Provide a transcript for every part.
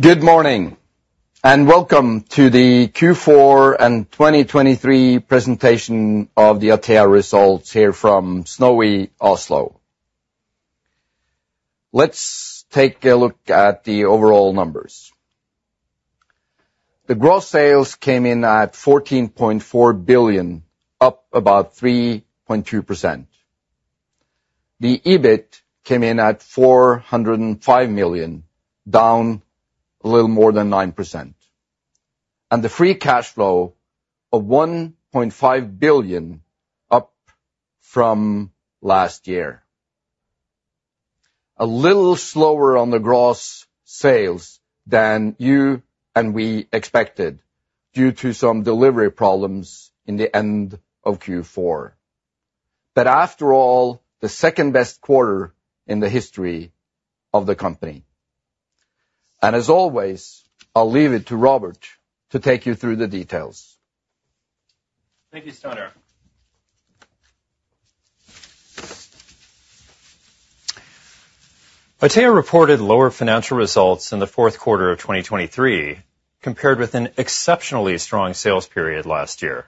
Good morning, and welcome to the Q4 2023 presentation of the Atea results here from snowy Oslo. Let's take a look at the overall numbers. The gross sales came in at 14.4 billion, up about 3.2%. The EBIT came in at 405 million, down a little more than 9%, and the free cash flow of 1.5 billion, up from last year. A little slower on the gross sales than you and we expected, due to some delivery problems in the end of Q4. But after all, the second-best quarter in the history of the company. And as always, I'll leave it to Robert to take you through the details. Thank you, Steinar. Atea reported lower financial results in the fourth quarter of 2023, compared with an exceptionally strong sales period last year.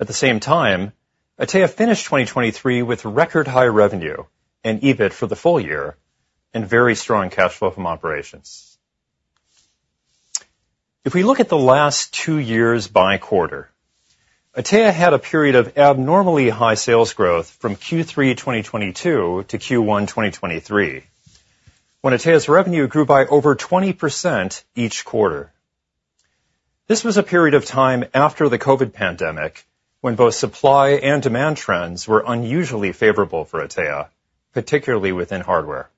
At the same time, Atea finished 2023 with record high revenue and EBIT for the full year, and very strong cash flow from operations. If we look at the last two years by quarter, Atea had a period of abnormally high sales growth from Q3 2022 to Q1 2023, when Atea's revenue grew by over 20% each quarter. This was a period of time after the COVID pandemic, when both supply and demand trends were unusually favorable for Atea, particularly within hardware.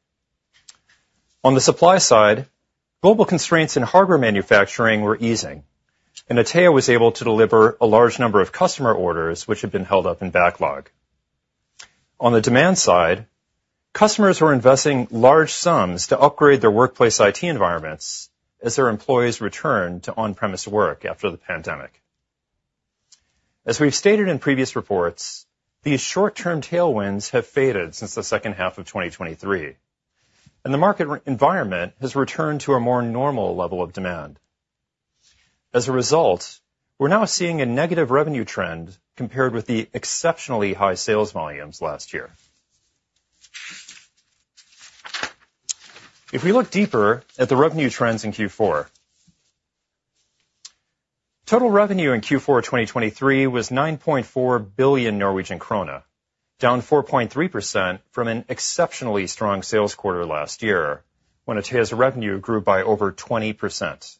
On the supply side, global constraints in hardware manufacturing were easing, and Atea was able to deliver a large number of customer orders, which had been held up in backlog. On the demand side, customers were investing large sums to upgrade their workplace IT environments as their employees returned to on-premise work after the pandemic. As we've stated in previous reports, these short-term tailwinds have faded since the second half of 2023, and the market environment has returned to a more normal level of demand. As a result, we're now seeing a negative revenue trend compared with the exceptionally high sales volumes last year. If we look deeper at the revenue trends in Q4... Total revenue in Q4 of 2023 was 9.4 billion Norwegian krone, down 4.3% from an exceptionally strong sales quarter last year, when Atea's revenue grew by over 20%.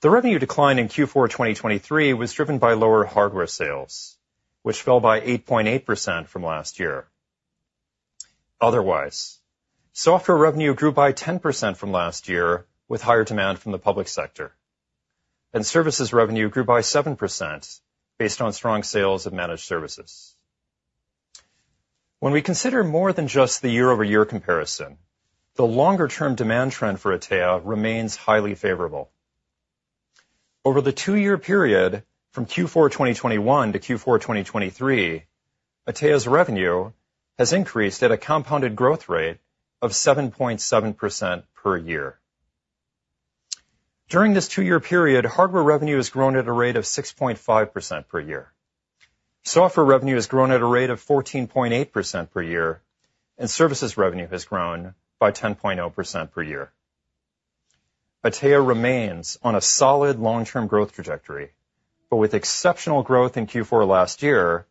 The revenue decline in Q4 2023 was driven by lower hardware sales, which fell by 8.8% from last year. Otherwise, software revenue grew by 10% from last year, with higher demand from the public sector. Services revenue grew by 7% based on strong sales of managed services. When we consider more than just the year-over-year comparison, the longer-term demand trend for Atea remains highly favorable. Over the two-year period, from Q4 2021 to Q4 2023, Atea's revenue has increased at a compounded growth rate of 7.7% per year. During this two-year period, hardware revenue has grown at a rate of 6.5% per year. Software revenue has grown at a rate of 14.8% per years, and services revenue has grown by 10.0% per year. Atea remains on a solid long-term growth trajectory, but with exceptional growth in Q4 last year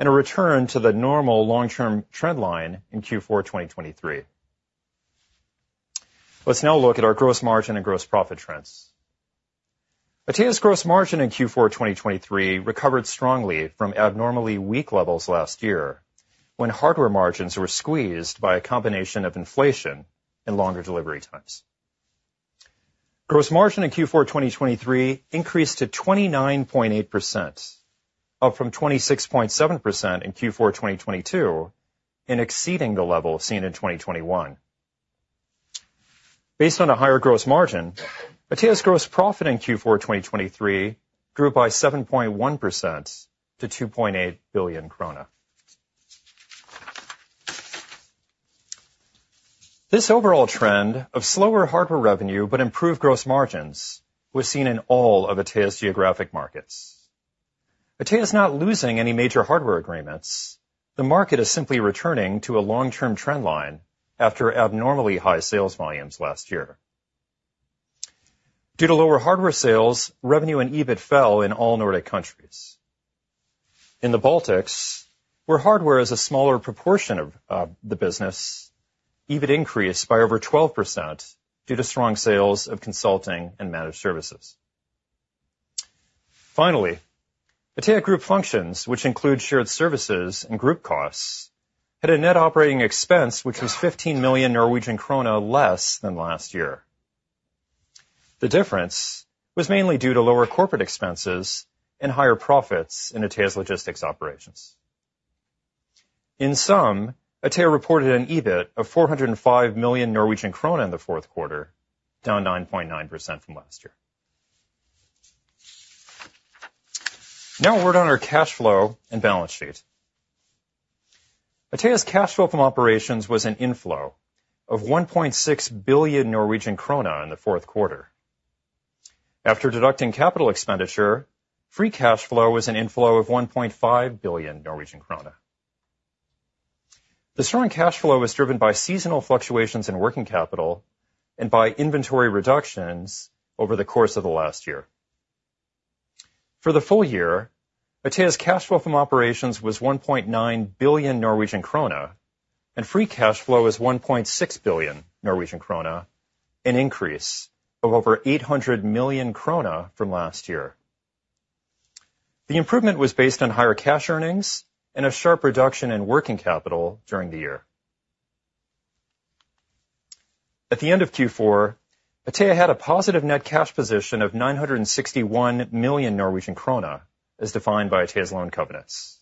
and a return to the normal long-term trend line in Q4 2023. Let's now look at our gross margin and gross profit trends. Atea's gross margin in Q4 2023 recovered strongly from abnormally weak levels last year, when hardware margins were squeezed by a combination of inflation and longer delivery times. Gross margin in Q4 2023 increased to 29.8%, up from 26.7% in Q4 2022, and exceeding the level seen in 2021. Based on a higher gross margin, Atea's gross profit in Q4 2023 grew by 7.1% to 2.8 billion krone. This overall trend of slower hardware revenue but improved gross margins was seen in all of Atea's geographic markets. Atea is not losing any major hardware agreements. The market is simply returning to a long-term trend line after abnormally high sales volumes last year. Due to lower hardware sales, revenue and EBIT fell in all Nordic countries. In the Baltics, where hardware is a smaller proportion of the business, EBIT increased by over 12% due to strong sales of consulting and managed services. Finally, Atea group functions, which include shared services and group costs, had a net operating expense, which was 15 million Norwegian krone less than last year. The difference was mainly due to lower corporate expenses and higher profits in Atea's logistics operations. In sum, Atea reported an EBIT of 405 million Norwegian krone in the fourth quarter, down 9.9% from last year... Now a word on our cash flow and balance sheet. Atea's cash flow from operations was an inflow of 1.6 billion Norwegian krone in the fourth quarter. After deducting capital expenditure, free cash flow was an inflow of 1.5 billion Norwegian krone. The strong cash flow was driven by seasonal fluctuations in working capital and by inventory reductions over the course of the last year. For the full year, Atea's cash flow from operations was 1.9 billion Norwegian krone, and free cash flow was 1.6 billion Norwegian krone, an increase of over 800 million krone from last year. The improvement was based on higher cash earnings and a sharp reduction in working capital during the year. At the end of Q4, Atea had a positive net cash position of 961 million Norwegian krone, as defined by Atea's loan covenants.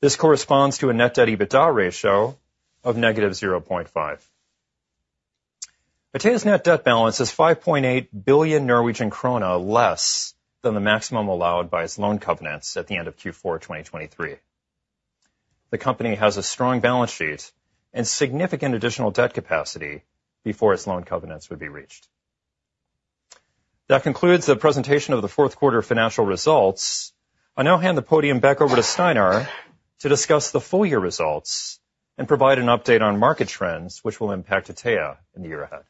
This corresponds to a net debt EBITDA ratio of -0.5. Atea's net debt balance is 5.8 billion Norwegian krone less than the maximum allowed by its loan covenants at the end of Q4 2023. The company has a strong balance sheet and significant additional debt capacity before its loan covenants would be reached. That concludes the presentation of the fourth quarter financial results. I'll now hand the podium back over to Steinar to discuss the full year results and provide an update on market trends, which will impact Atea in the year ahead.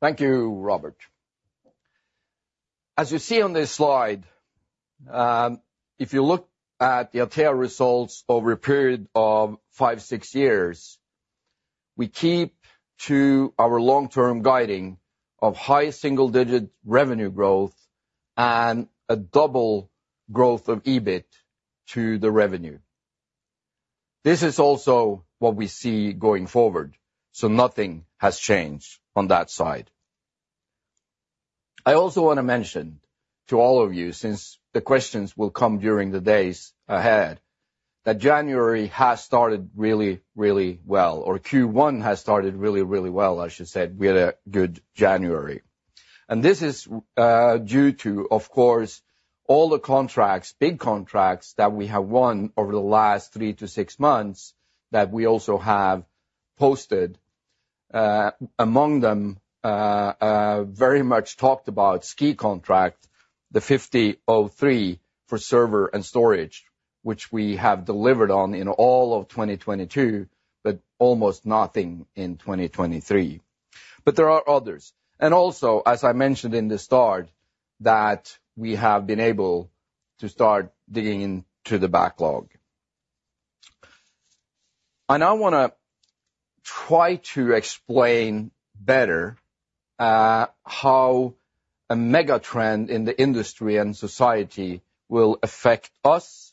Thank you, Robert. As you see on this slide, if you look at the Atea results over a period of five, six years, we keep to our long-term guiding of high single-digit revenue growth and a double growth of EBIT to the revenue. This is also what we see going forward, so nothing has changed on that side. I also want to mention to all of you, since the questions will come during the days ahead, that January has started really, really well, or Q1 has started really, really well, I should say. We had a good January, and this is due to, of course, all the contracts, big contracts, that we have won over the last three to six months that we also have posted, among them, a very much talked about SKI contract, the 50.03 for server and storage, which we have delivered on in all of 2022, but almost nothing in 2023. But there are others, and also, as I mentioned in the start, that we have been able to start digging into the backlog. I now want to try to explain better how a mega trend in the industry and society will affect us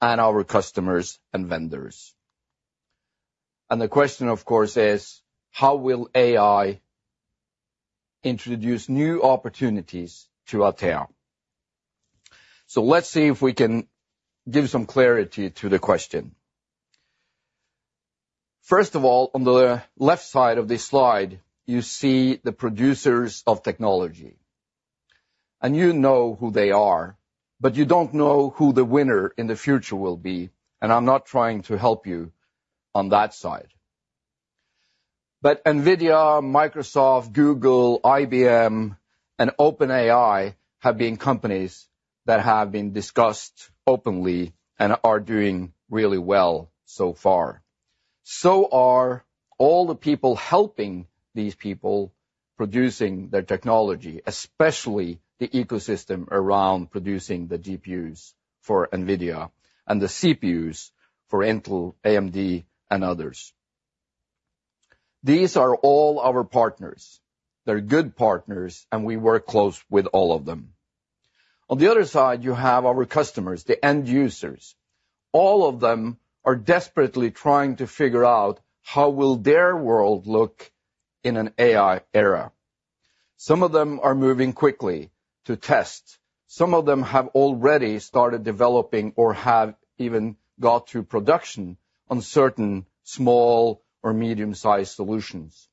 and our customers and vendors. And the question, of course, is: How will AI introduce new opportunities to Atea? So let's see if we can give some clarity to the question. First of all, on the left side of this slide, you see the producers of technology, and you know who they are, but you don't know who the winner in the future will be, and I'm not trying to help you on that side. But NVIDIA, Microsoft, Google, IBM, and OpenAI have been companies that have been discussed openly and are doing really well so far. So are all the people helping these people producing their technology, especially the ecosystem around producing the GPUs for NVIDIA and the CPUs for Intel, AMD, and others. These are all our partners. They're good partners, and we work close with all of them. On the other side, you have our customers, the end users. All of them are desperately trying to figure out how will their world look in an AI era. Some of them are moving quickly to test. Some of them have already started developing or have even got to production on certain small or medium-sized solutions.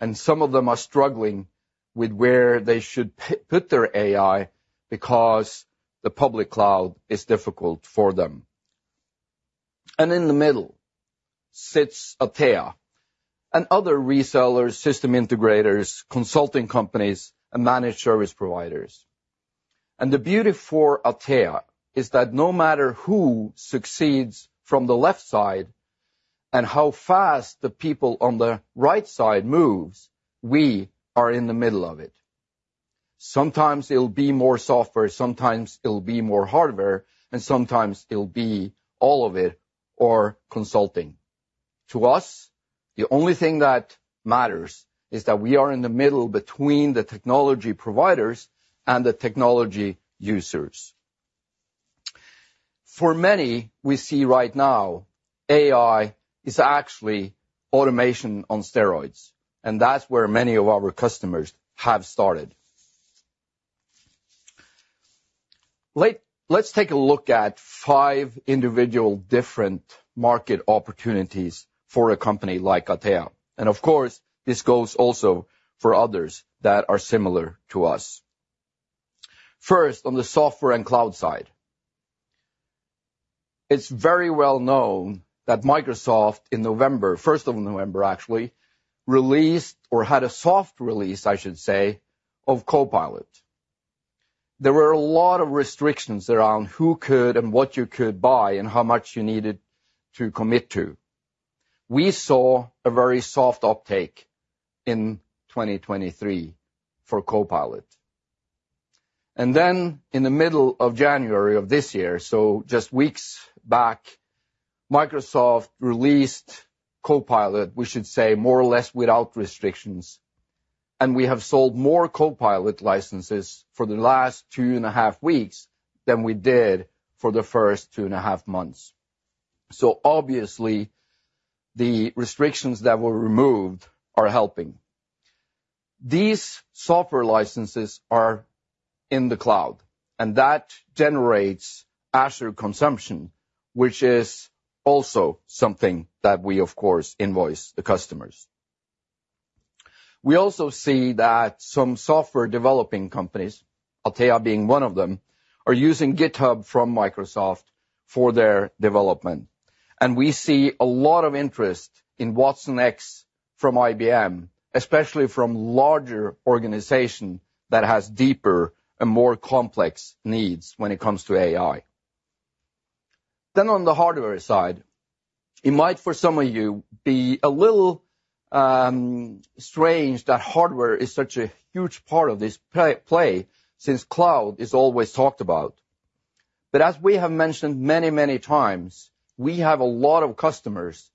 And some of them are struggling with where they should put their AI, because the public cloud is difficult for them. And in the middle sits Atea and other resellers, system integrators, consulting companies, and managed service providers. And the beauty for Atea is that no matter who succeeds from the left side and how fast the people on the right side moves, we are in the middle of it. Sometimes it'll be more software, sometimes it'll be more hardware, and sometimes it'll be all of it or consulting. To us, the only thing that matters is that we are in the middle between the technology providers and the technology users. For many, we see right now, AI is actually automation on steroids, and that's where many of our customers have started. Let's take a look at five individual different market opportunities for a company like Atea, and of course, this goes also for others that are similar to us. First, on the software and cloud side, it's very well known that Microsoft in November, 1st of November, actually, released or had a soft release, I should say, of Copilot. There were a lot of restrictions around who could and what you could buy and how much you needed to commit to. We saw a very soft uptake in 2023 for Copilot. Then in the middle of January of this year, so just weeks back, Microsoft released Copilot, we should say, more or less without restrictions, and we have sold more Copilot licenses for the last two and a half weeks than we did for the first two and a half months. So obviously, the restrictions that were removed are helping. These software licenses are in the cloud, and that generates Azure consumption, which is also something that we, of course, invoice the customers. We also see that some software developing companies, Atea being one of them, are using GitHub from Microsoft for their development. And we see a lot of interest in watsonx from IBM, especially from larger organization that has deeper and more complex needs when it comes to AI. Then on the hardware side, it might, for some of you, be a little strange that hardware is such a huge part of this play since cloud is always talked about. But as we have mentioned many, many times, we have a lot of customers,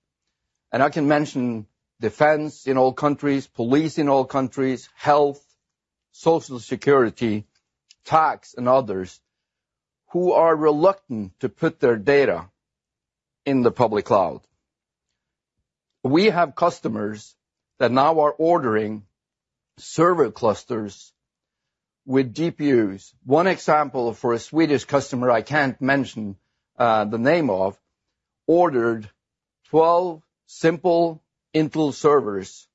and I can mention defense in all countries, police in all countries, health, social security, tax, and others, who are reluctant to put their data in the public cloud. We have customers that now are ordering server clusters with GPUs. One example for a Swedish customer, I can't mention the name of, ordered 12 simple Intel servers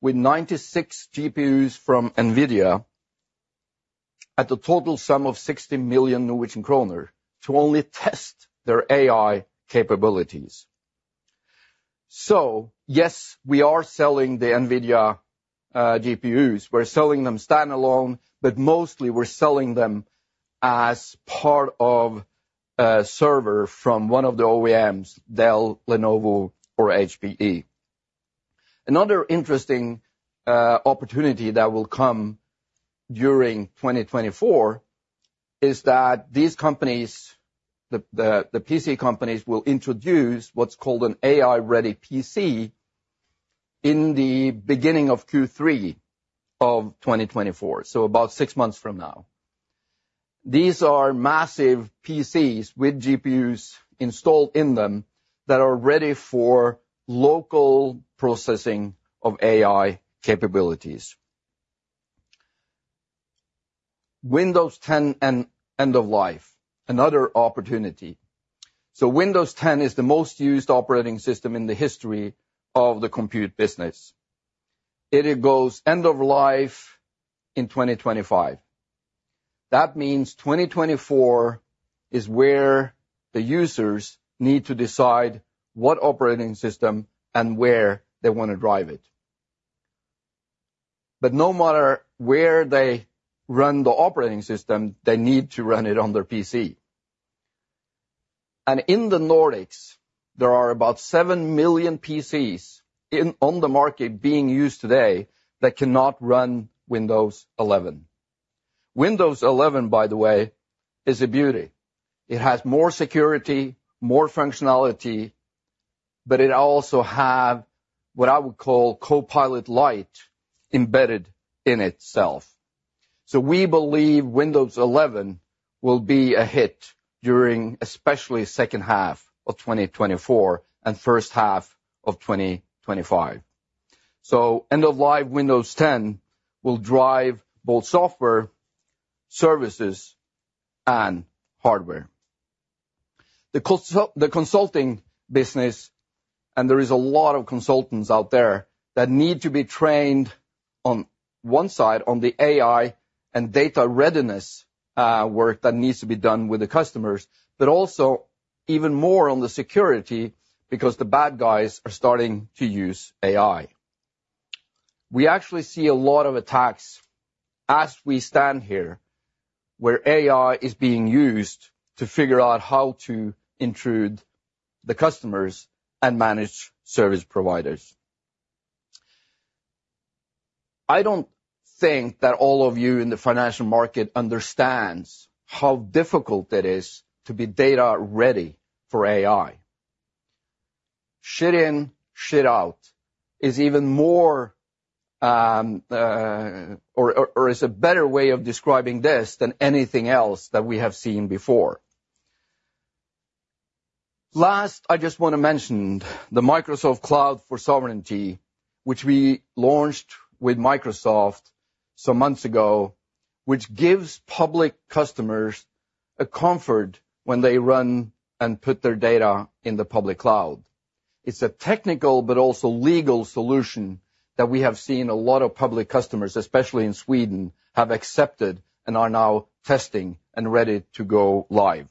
with 96 GPUs from NVIDIA at a total sum of 60 million Norwegian kroner to only test their AI capabilities. So yes, we are selling the NVIDIA GPUs. We're selling them standalone, but mostly we're selling them as part of a server from one of the OEMs, Dell, Lenovo, or HPE. Another interesting opportunity that will come during 2024 is that these companies, the PC companies, will introduce what's called an AI-ready PC in the beginning of Q3 of 2024, so about six months from now. These are massive PCs with GPUs installed in them that are ready for local processing of AI capabilities. Windows 10 and end of life, another opportunity. So Windows 10 is the most used operating system in the history of the compute business. It goes end of life in 2025. That means 2024 is where the users need to decide what operating system and where they want to drive it. But no matter where they run the operating system, they need to run it on their PC. And in the Nordics, there are about 7 million PCs on the market being used today that cannot run Windows 11. Windows 11, by the way, is a beauty. It has more security, more functionality, but it also have what I would call Copilot Lite embedded in itself. So we believe Windows 11 will be a hit during especially second half of 2024 and first half of 2025. So end of life Windows 10 will drive both software, services, and hardware. The consulting business, and there is a lot of consultants out there that need to be trained on one side on the AI and data readiness work that needs to be done with the customers, but also even more on the security because the bad guys are starting to use AI. We actually see a lot of attacks as we stand here, where AI is being used to figure out how to intrude the customers and manage service providers. I don't think that all of you in the financial market understands how difficult it is to be data-ready for AI. Shit in, shit out is even more, is a better way of describing this than anything else that we have seen before. Last, I just want to mention the Microsoft Cloud for Sovereignty, which we launched with Microsoft some months ago, which gives public customers a comfort when they run and put their data in the public cloud. It's a technical but also legal solution that we have seen a lot of public customers, especially in Sweden, have accepted and are now testing and ready to go live.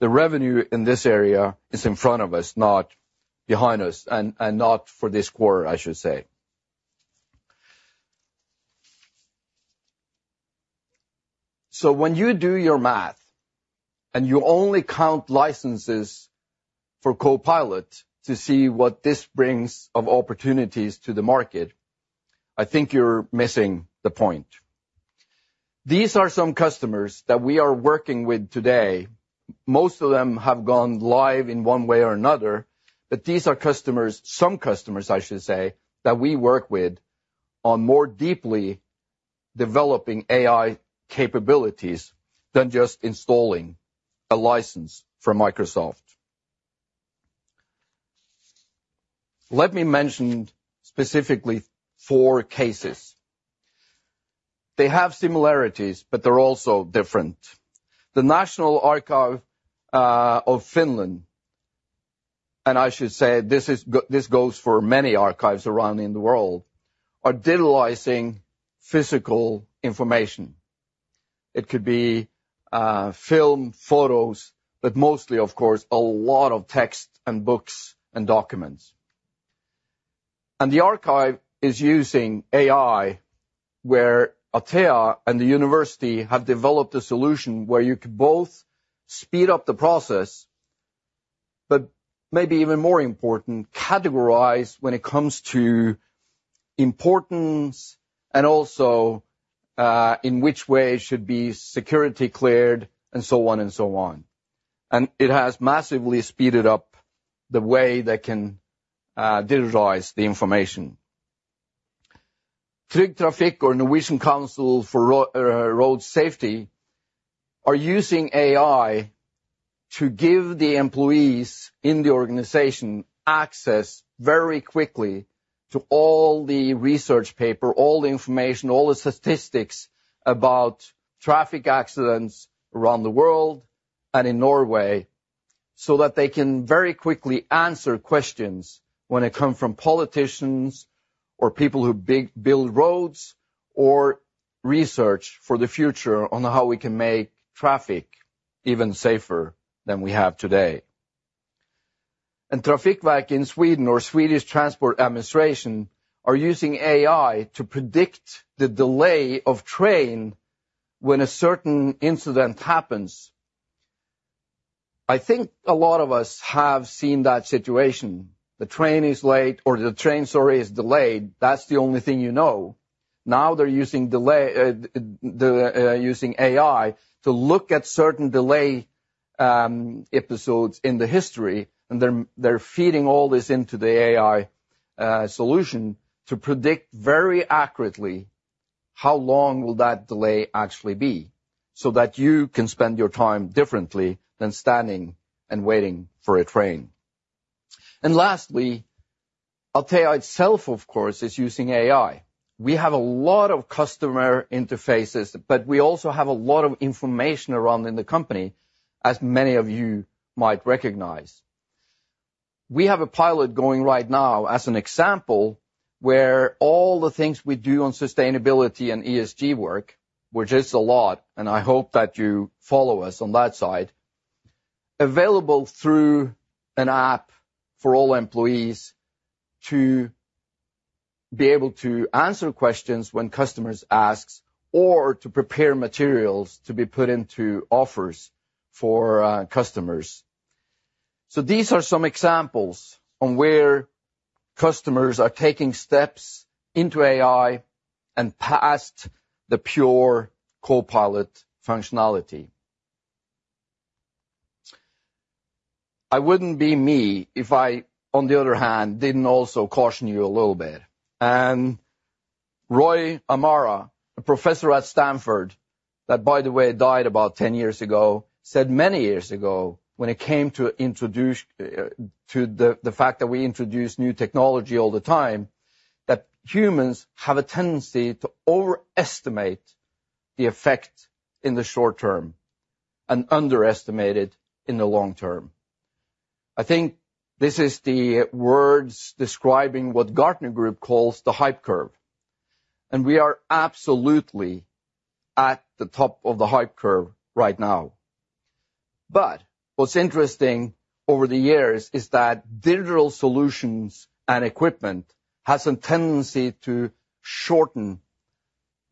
The revenue in this area is in front of us, not behind us, and, and not for this quarter, I should say. So when you do your math, and you only count licenses for Copilot to see what this brings of opportunities to the market, I think you're missing the point. These are some customers that we are working with today. Most of them have gone live in one way or another, but these are customers, some customers, I should say, that we work with on more deeply developing AI capabilities than just installing a license from Microsoft. Let me mention specifically four cases. They have similarities, but they're also different. The National Archive of Finland, and I should say, this goes for many archives around in the world, are digitizing physical information. It could be film, photos, but mostly, of course, a lot of text and books and documents. And the archive is using AI, where Atea and the university have developed a solution where you can both speed up the process, but maybe even more important, categorize when it comes to importance and also in which way it should be security cleared and so on and so on. And it has massively speeded up the way they can digitalize the information. Trygg Trafikk, or Norwegian Council for Road Safety, are using AI to give the employees in the organization access very quickly to all the research paper, all the information, all the statistics about traffic accidents around the world and in Norway, so that they can very quickly answer questions when they come from politicians or people who build roads or research for the future on how we can make traffic even safer than we have today. And Trafikverket in Sweden, or Swedish Transport Administration, are using AI to predict the delay of train when a certain incident happens. I think a lot of us have seen that situation. The train is late or the train, sorry, is delayed. That's the only thing you know. Now they're using delay. They're using AI to look at certain delay episodes in the history, and they're feeding all this into the AI solution to predict very accurately how long will that delay actually be, so that you can spend your time differently than standing and waiting for a train. And lastly, Atea itself, of course, is using AI. We have a lot of customer interfaces, but we also have a lot of information around in the company, as many of you might recognize. We have a pilot going right now as an example, where all the things we do on sustainability and ESG work, which is a lot, and I hope that you follow us on that side, available through an app for all employees to be able to answer questions when customers asks, or to prepare materials to be put into offers for, customers. So these are some examples on where customers are taking steps into AI and past the pure Copilot functionality. I wouldn't be me if I, on the other hand, didn't also caution you a little bit. Roy Amara, a professor at Stanford, that, by the way, died about 10 years ago, said many years ago, when it came to introduce to the fact that we introduce new technology all the time, that humans have a tendency to overestimate the effect in the short term and underestimate it in the long term. I think this is the words describing what Gartner Group calls the hype curve, and we are absolutely at the top of the hype curve right now. But what's interesting over the years is that digital solutions and equipment has a tendency to shorten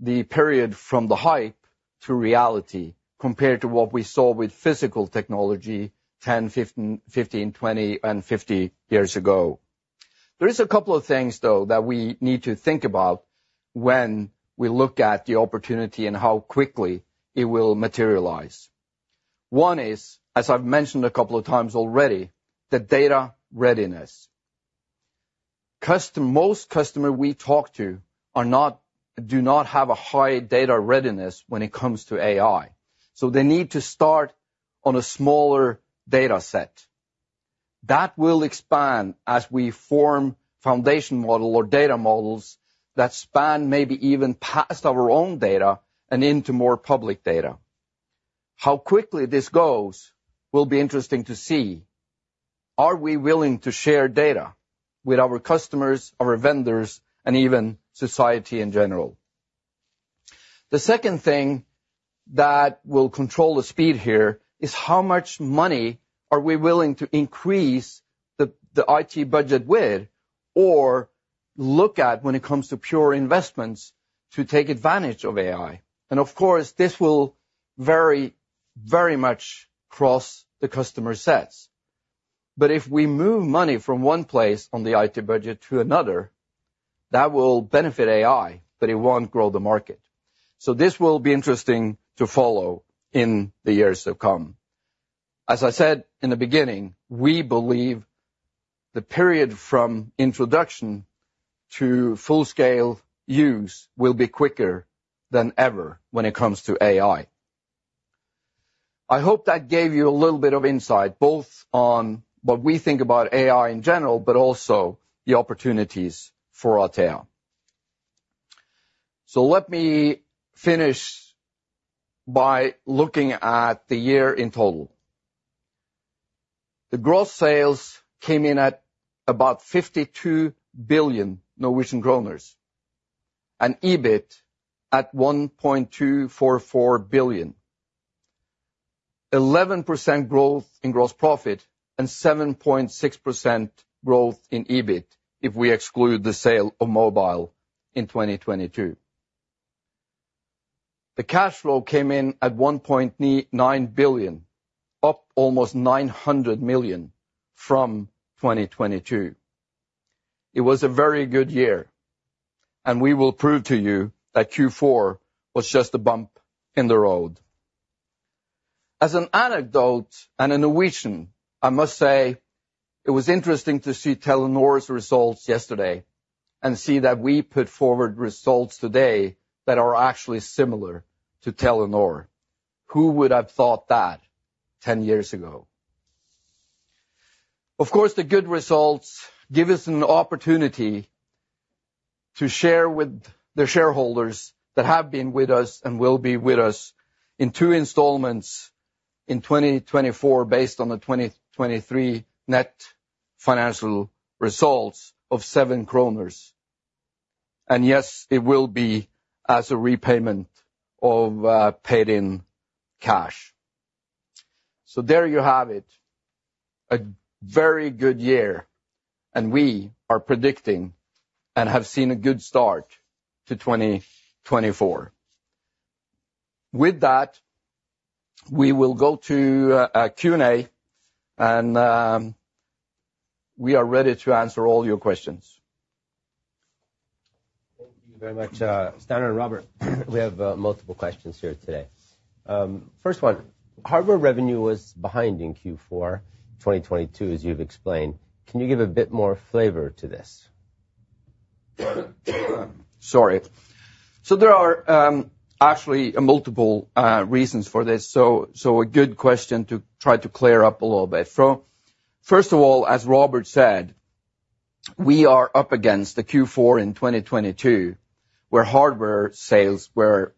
the period from the hype to reality, compared to what we saw with physical technology, 10, 15, 15, 20, and 50 years ago. There is a couple of things, though, that we need to think about when we look at the opportunity and how quickly it will materialize. One is, as I've mentioned a couple of times already, the data readiness. Most customers we talk to are not, do not have a high data readiness when it comes to AI, so they need to start on a smaller data set. That will expand as we form foundation model or data models that span maybe even past our own data and into more public data. How quickly this goes will be interesting to see. Are we willing to share data with our customers, our vendors, and even society in general? The second thing that will control the speed here is how much money are we willing to increase the IT budget with, or look at when it comes to pure investments to take advantage of AI? And of course, this will vary very much across the customer sets. But if we move money from one place on the IT budget to another, that will benefit AI, but it won't grow the market. So this will be interesting to follow in the years to come. As I said in the beginning, we believe the period from introduction to full-scale use will be quicker than ever when it comes to AI. I hope that gave you a little bit of insight, both on what we think about AI in general, but also the opportunities for Atea. So let me finish by looking at the year in total. The gross sales came in at about 52 billion Norwegian kroner, and EBIT at 1.244 billion. 11% growth in gross profit and 7.6% growth in EBIT, if we exclude the sale of mobile in 2022. The cash flow came in at 1.9 billion, up almost 900 million from 2022. It was a very good year, and we will prove to you that Q4 was just a bump in the road. As an anecdote and a Norwegian, I must say it was interesting to see Telenor's results yesterday and see that we put forward results today that are actually similar to Telenor. Who would have thought that 10 years ago? Of course, the good results give us an opportunity to share with the shareholders that have been with us and will be with us in two installments in 2024, based on the 2023 net financial results of 7 kroner. And yes, it will be as a repayment of paid in cash. So there you have it, a very good year, and we are predicting and have seen a good start to 2024. With that, we will go to Q&A, and we are ready to answer all your questions. Thank you very much, Steinar and Robert. We have multiple questions here today. First one, hardware revenue was behind in Q4 2022, as you've explained. Can you give a bit more flavor to this? Sorry. So there are actually multiple reasons for this, so a good question to try to clear up a little bit. So first of all, as Robert said, we are up against the Q4 in 2022, where hardware sales were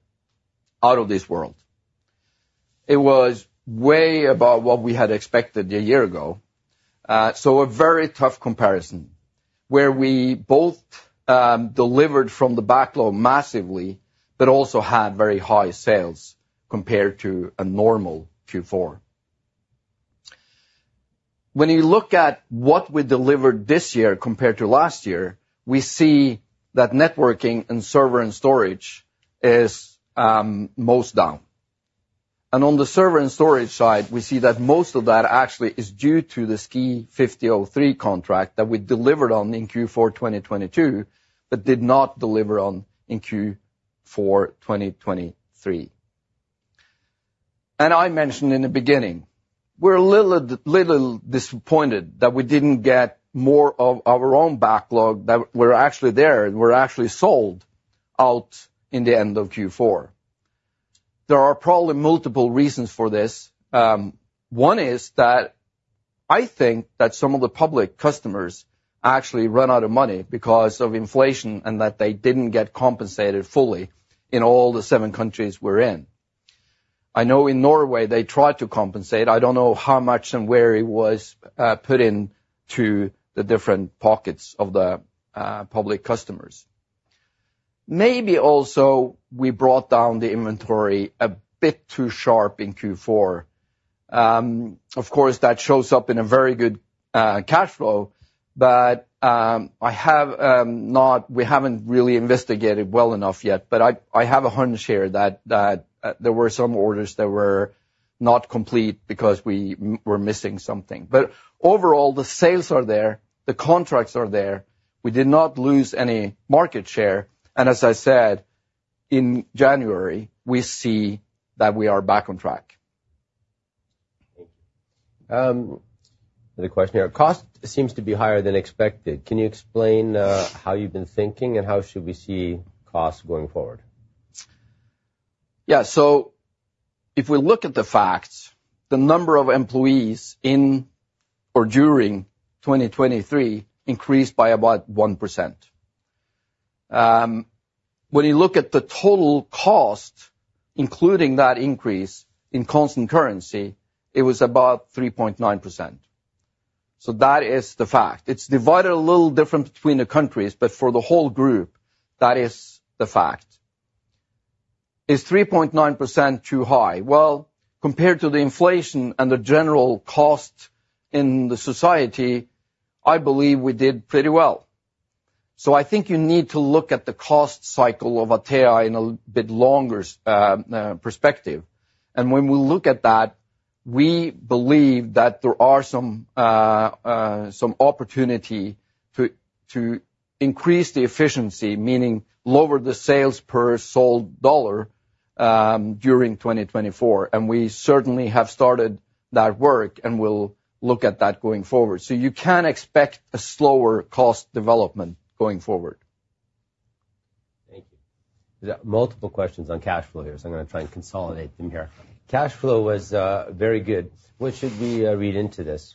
out of this world. It was way above what we had expected a year ago, so a very tough comparison, where we both delivered from the backlog massively, but also had very high sales compared to a normal Q4. When you look at what we delivered this year compared to last year, we see that networking and server and storage is most down. And on the server and storage side, we see that most of that actually is due to the SKI 50.03 contract that we delivered on in Q4 2022, but did not deliver on in Q4 2023. I mentioned in the beginning, we're a little, little disappointed that we didn't get more of our own backlog that were actually there and were actually sold out in the end of Q4. There are probably multiple reasons for this. One is that I think that some of the public customers actually ran out of money because of inflation, and that they didn't get compensated fully in all the seven countries we're in. I know in Norway, they tried to compensate. I don't know how much and where it was put into the different pockets of the public customers. Maybe also, we brought down the inventory a bit too sharp in Q4. Of course, that shows up in a very good cash flow, but I have not... We haven't really investigated well enough yet, but I have a hunch here that there were some orders that were not complete because we were missing something. But overall, the sales are there, the contracts are there. We did not lose any market share. And as I said, in January, we see that we are back on track.... The question here, cost seems to be higher than expected. Can you explain how you've been thinking, and how should we see costs going forward? Yeah. So if we look at the facts, the number of employees in or during 2023 increased by about 1%. When you look at the total cost, including that increase in constant currency, it was about 3.9%. So that is the fact. It's divided a little different between the countries, but for the whole group, that is the fact. Is 3.9% too high? Well, compared to the inflation and the general cost in the society, I believe we did pretty well. So I think you need to look at the cost cycle of Atea in a bit longer perspective. When we look at that, we believe that there are some opportunity to increase the efficiency, meaning lower the sales per sold dollar, during 2024, and we certainly have started that work, and we'll look at that going forward. So you can expect a slower cost development going forward. Thank you. There are multiple questions on cash flow here, so I'm gonna try and consolidate them here. Cash flow was very good. What should we read into this?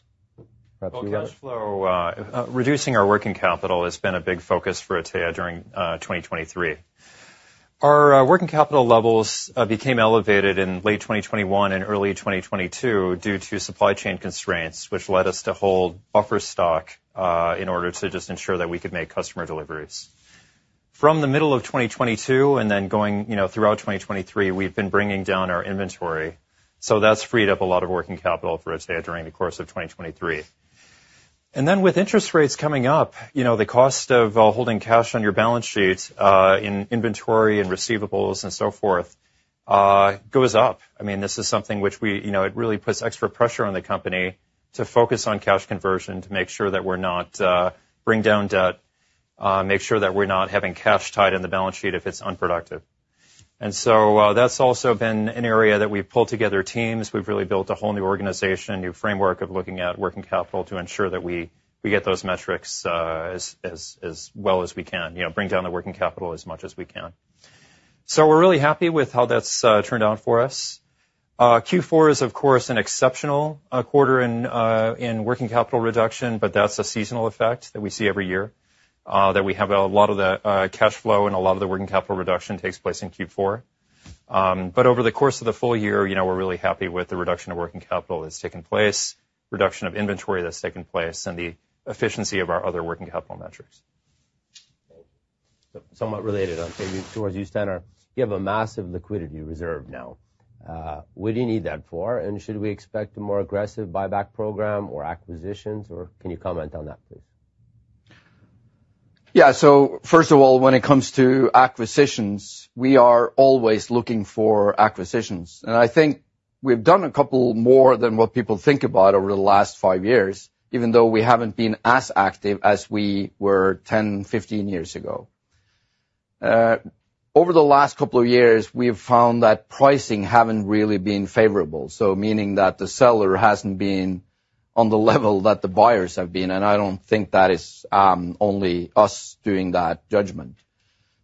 Perhaps you- Well, cash flow, reducing our working capital has been a big focus for Atea during 2023. Our working capital levels became elevated in late 2021 and early 2022 due to supply chain constraints, which led us to hold buffer stock in order to just ensure that we could make customer deliveries. From the middle of 2022, and then going, you know, throughout 2023, we've been bringing down our inventory, so that's freed up a lot of working capital for Atea during the course of 2023. And then with interest rates coming up, you know, the cost of holding cash on your balance sheet in inventory and receivables and so forth goes up. I mean, this is something which we... You know, it really puts extra pressure on the company to focus on cash conversion, to make sure that we're not bring down debt, make sure that we're not having cash tied in the balance sheet if it's unproductive. And so, that's also been an area that we've pulled together teams. We've really built a whole new organization, a new framework of looking at working capital to ensure that we get those metrics as well as we can. You know, bring down the working capital as much as we can. So we're really happy with how that's turned out for us. Q4 is, of course, an exceptional quarter in working capital reduction, but that's a seasonal effect that we see every year, that we have a lot of the cash flow and a lot of the working capital reduction takes place in Q4. But over the course of the full year, you know, we're really happy with the reduction of working capital that's taken place, reduction of inventory that's taken place, and the efficiency of our other working capital metrics. So somewhat related, I'm turning towards you, Steinar. You have a massive liquidity reserve now. What do you need that for? And should we expect a more aggressive buyback program or acquisitions, or can you comment on that, please? Yeah. So first of all, when it comes to acquisitions, we are always looking for acquisitions. And I think we've done a couple more than what people think about over the last five years, even though we haven't been as active as we were 10, 15 years ago. Over the last couple of years, we have found that pricing haven't really been favorable, so meaning that the seller hasn't been on the level that the buyers have been, and I don't think that is only us doing that judgment.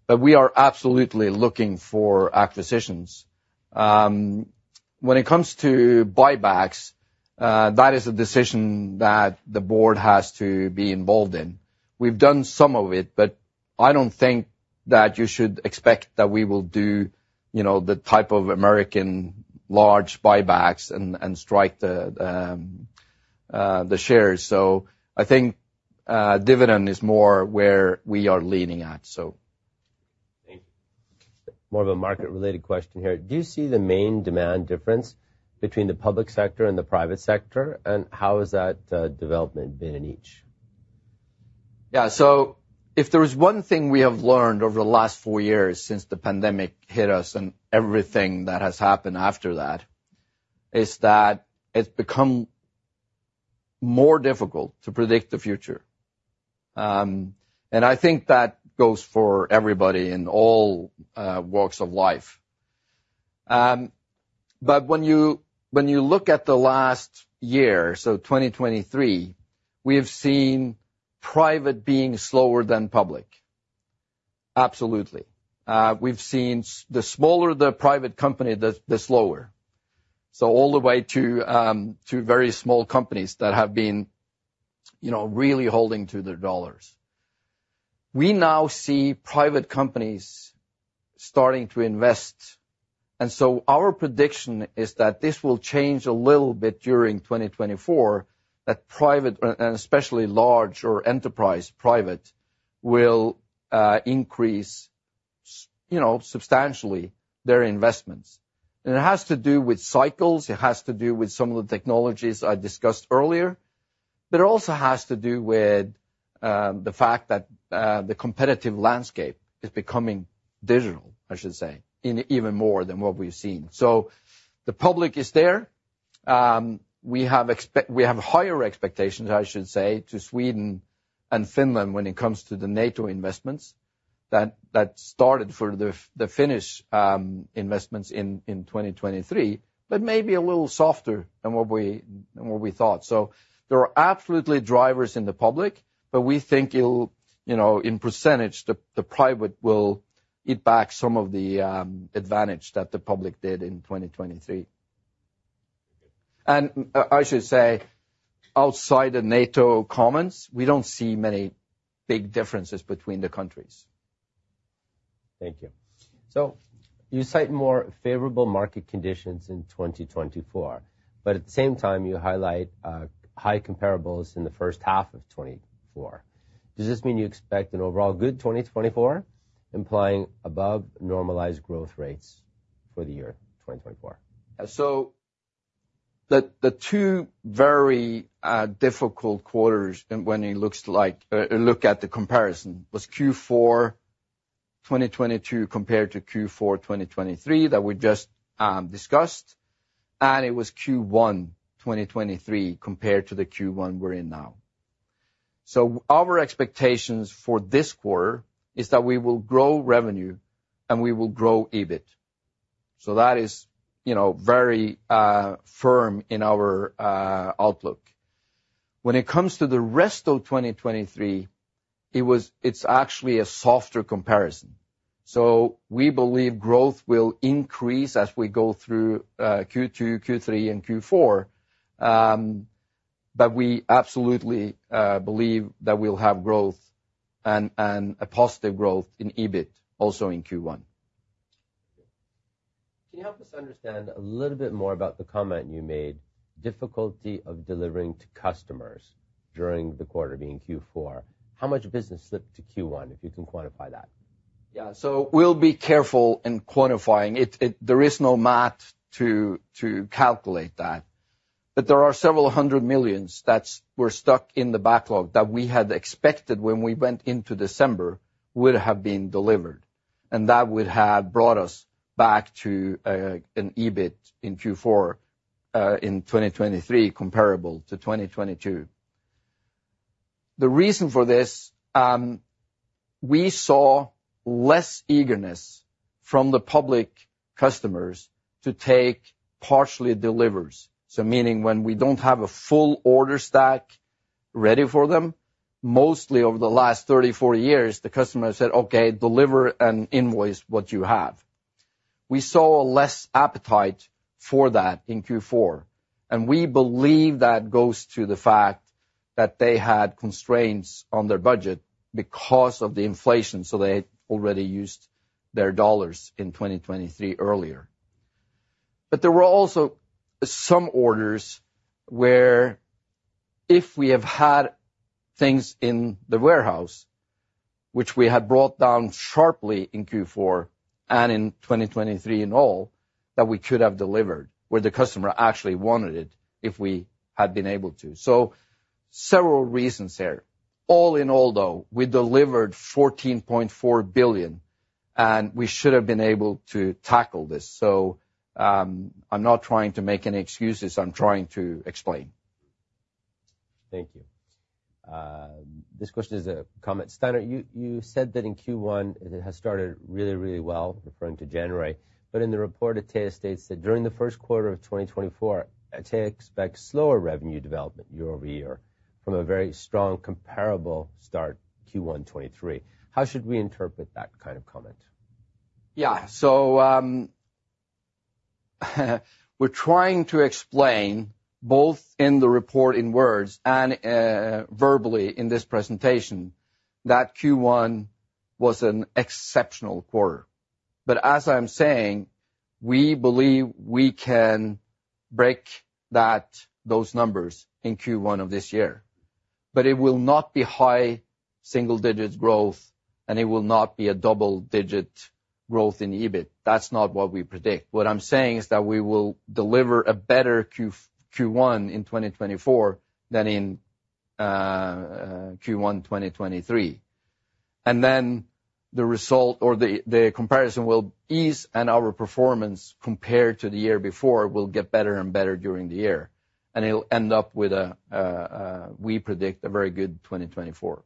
But we are absolutely looking for acquisitions. When it comes to buybacks, that is a decision that the board has to be involved in. We've done some of it, but I don't think that you should expect that we will do, you know, the type of American large buybacks and strike the shares. So I think dividend is more where we are leaning at, so. Thank you. More of a market-related question here: Do you see the main demand difference between the public sector and the private sector, and how has that development been in each? Yeah, so if there is one thing we have learned over the last four years since the pandemic hit us and everything that has happened after that, is that it's become more difficult to predict the future. I think that goes for everybody in all walks of life. When you look at the last year, so 2023, we have seen private being slower than public. Absolutely. We've seen the smaller the private company, the slower. So all the way to very small companies that have been, you know, really holding to their dollars. We now see private companies starting to invest, and so our prediction is that this will change a little bit during 2024, that private, and especially large or enterprise private, will increase you know, substantially their investments. It has to do with cycles, it has to do with some of the technologies I discussed earlier, but it also has to do with the fact that the competitive landscape is becoming digital, I should say, in even more than what we've seen. So the public is there. We have higher expectations, I should say, to Sweden and Finland when it comes to the NATO investments that started for the Finnish investments in 2023, but maybe a little softer than what we thought. So there are absolutely drivers in the public, but we think it'll, you know, in percentage, the private will eat back some of the advantage that the public did in 2023. I should say, outside the NATO comments, we don't see many big differences between the countries. Thank you. So you cite more favorable market conditions in 2024, but at the same time, you highlight high comparables in the first half of 2024. Does this mean you expect an overall good 2024, implying above normalized growth rates for the year 2024? So the two very difficult quarters, and when it looks like, look at the comparison, was Q4 2022 compared to Q4 2023, that we just discussed, and it was Q1 2023 compared to the Q1 we're in now. So our expectations for this quarter is that we will grow revenue, and we will grow EBIT. So that is, you know, very firm in our outlook. When it comes to the rest of 2023, it was... It's actually a softer comparison, so we believe growth will increase as we go through Q2, Q3, and Q4. But we absolutely believe that we'll have growth and a positive growth in EBIT also in Q1. Can you help us understand a little bit more about the comment you made, difficulty of delivering to customers during the quarter, being Q4? How much business slipped to Q1, if you can quantify that? Yeah. So we'll be careful in quantifying it. There is no math to calculate that, but there are several hundred millions that were stuck in the backlog that we had expected when we went into December would have been delivered, and that would have brought us back to an EBIT in Q4 in 2023 comparable to 2022. The reason for this, we saw less eagerness from the public customers to take partial deliveries. So meaning, when we don't have a full order stack ready for them, mostly over the last 30, 40 years, the customer said, "Okay, deliver and invoice what you have." We saw less appetite for that in Q4, and we believe that goes to the fact that they had constraints on their budget because of the inflation, so they had already used their dollars in 2023 earlier. But there were also some orders where if we have had things in the warehouse, which we had brought down sharply in Q4 and in 2023 in all, that we could have delivered, where the customer actually wanted it, if we had been able to. So several reasons there. All in all, though, we delivered 14.4 billion, and we should have been able to tackle this. So, I'm not trying to make any excuses. I'm trying to explain. Thank you. This question is a comment. Steinar, you, you said that in Q1, it has started really, really well, referring to January, but in the report, Atea states that during the first quarter of 2024, Atea expects slower revenue development year-over-year from a very strong comparable start, Q1 2023. How should we interpret that kind of comment? Yeah. So, we're trying to explain, both in the report in words and verbally in this presentation, that Q1 was an exceptional quarter. But as I'm saying, we believe we can break that, those numbers in Q1 of this year. But it will not be high single-digit growth, and it will not be a double-digit growth in EBIT. That's not what we predict. What I'm saying is that we will deliver a better Q1 in 2024 than in Q1, 2023. And then the result or the comparison will ease, and our performance, compared to the year before, will get better and better during the year, and it'll end up with a we predict, a very good 2024.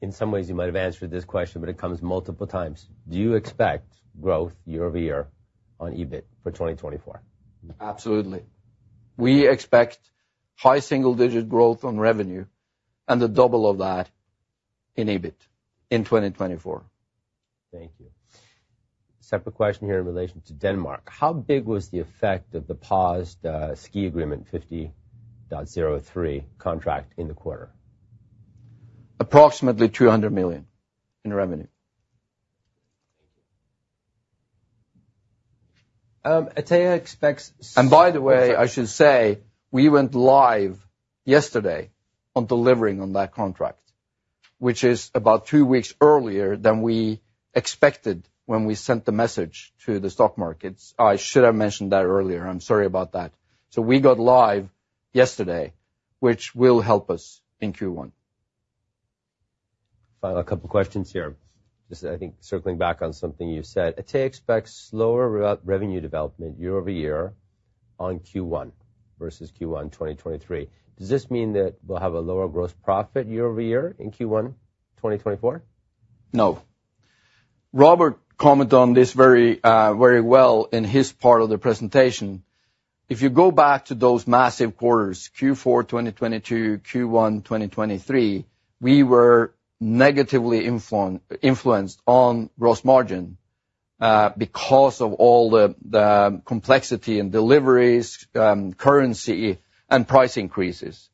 In some ways, you might have answered this question, but it comes multiple times. Do you expect growth year-over-year on EBIT for 2024? Absolutely. We expect high single-digit growth on revenue and the double of that in EBIT in 2024. Thank you. Separate question here in relation to Denmark. How big was the effect of the paused SKI agreement, 50.03 contract, in the quarter? Approximately NOK 200 million in revenue. Thank you. Atea expects- By the way, I should say, we went live yesterday on delivering on that contract, which is about two weeks earlier than we expected when we sent the message to the stock markets. I should have mentioned that earlier. I'm sorry about that. We got live yesterday, which will help us in Q1. Final couple questions here. Just I think circling back on something you said, Atea expects slower revenue development year-over-year on Q1 versus Q1 2023. Does this mean that we'll have a lower gross profit year-over-year in Q1, 2024? No. Robert commented on this very well in his part of the presentation. If you go back to those massive quarters, Q4 2022, Q1 2023, we were negatively influenced on gross margin because of all the complexity in deliveries, currency, and price increases.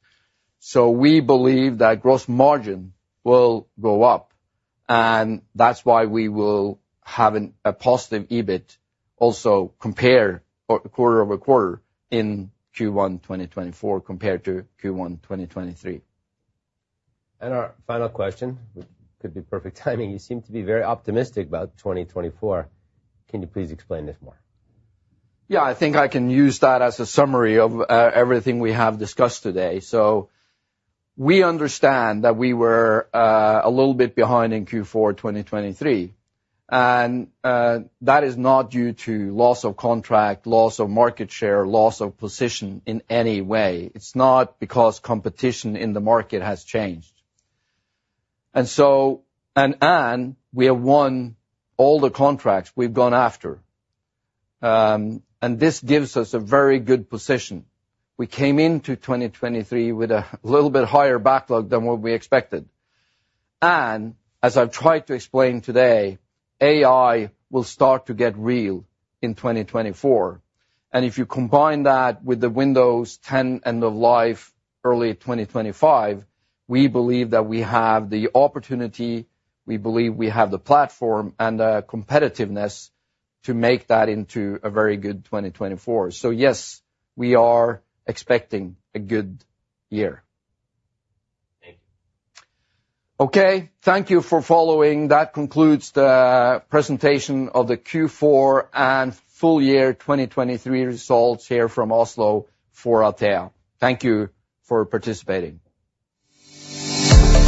So we believe that gross margin will go up, and that's why we will have a positive EBIT also comparable quarter-over-quarter in Q1 2024, compared to Q1 2023. Our final question, which could be perfect timing. You seem to be very optimistic about 2024. Can you please explain this more? Yeah, I think I can use that as a summary of everything we have discussed today. So we understand that we were a little bit behind in Q4 2023, and that is not due to loss of contract, loss of market share, loss of position in any way. It's not because competition in the market has changed. And and we have won all the contracts we've gone after, and this gives us a very good position. We came into 2023 with a little bit higher backlog than what we expected. And as I've tried to explain today, AI will start to get real in 2024. If you combine that with the Windows 10 end of life, early 2025, we believe that we have the opportunity, we believe we have the platform, and the competitiveness to make that into a very good 2024. Yes, we are expecting a good year. Thank you. Okay, thank you for following. That concludes the presentation of the Q4 and full year 2023 results here from Oslo for Atea. Thank you for participating.